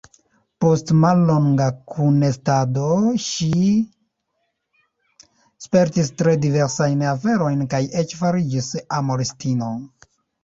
Post mallonga kunestado ŝi spertis tre diversajn aferojn kaj eĉ fariĝis amoristino.